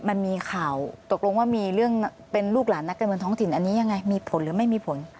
มันมีข่าวตกลงว่ามีเรื่องเป็นลูกหลานนักการเมืองท้องถิ่นอันนี้ยังไงมีผลหรือไม่มีผล